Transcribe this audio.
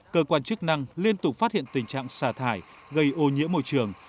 cơ quan chức năng liên tục phát hiện tình trạng xả thải gây ô nhiễm môi trường